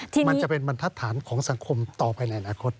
มันจะเป็นบรรทัศนของสังคมต่อไปในอนาคต